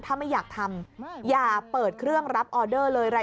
ถ้าไม่อยากทำอย่าเปิดเครื่องรับออเดอร์เลย